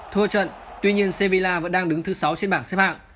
thua trận tuy nhiên servilla vẫn đang đứng thứ sáu trên bảng xếp hạng